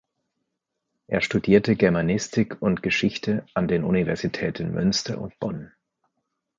Er studierte Germanistik und Geschichte an den Universitäten Münster und Bonn.